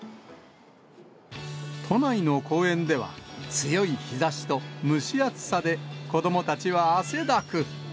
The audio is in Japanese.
都内の公園では、強い日ざしと蒸し暑さで、子どもたちは汗だく。